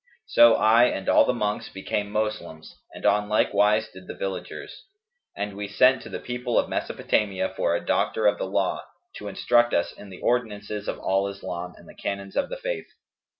So I and all the monks became Moslems and on like wise did the villagers; and we sent to the people of Mesopotamia for a doctor of the law, to instruct us in the ordinances of al Islam and the canons of the Faith.